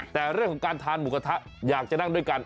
แต่เรื่องของการทานหมูกระทะอยากจะนั่งด้วยกัน